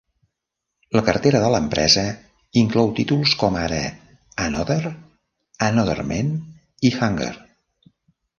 La cartera de la empresa inclou títols com ara AnOther, Another Man i Hunger.